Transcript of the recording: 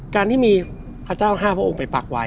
การที่มีพระเจ้า๕พระองค์ไปปักไว้